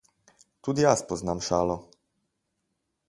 Tudi jaz poznam šalo.